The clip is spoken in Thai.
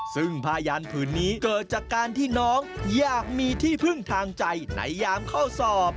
ซึ่งพยานผืนนี้เกิดจากการที่น้องอยากมีที่พึ่งทางใจในยามเข้าสอบ